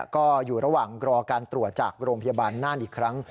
ก็อยู่ระหว่างรอการตรวจจากโรงพยาบาลน่านอีกครั้ง